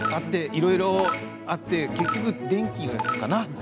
いろいろあって結局電気かな？